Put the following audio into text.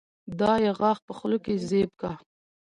دا يې غاښ په خوله کې زېب کا